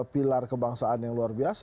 pilar kebangsaan yang luar biasa